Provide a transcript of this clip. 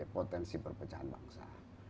potensi perpecahan bangsa